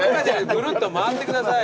ぐるっと回ってください